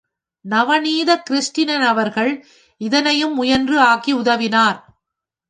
நவநீதகிருட்டிணனவர்கள் இதனையும் முயன்று ஆக்கி உதவினார்.